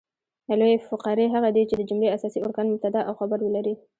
لویي فقرې هغه دي، چي د جملې اساسي ارکان مبتداء او خبر ولري.